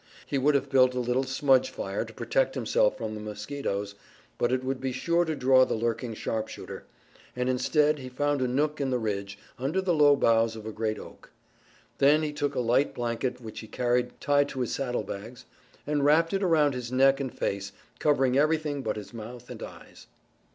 He would have built a little smudge fire to protect himself from the mosquitoes, but it would be sure to draw the lurking sharpshooter, and instead he found a nook in the ridge, under the low boughs of a great oak. Then he took a light blanket which he carried tied to his saddlebags, and wrapped it around his neck and face, covering everything but his mouth and eyes.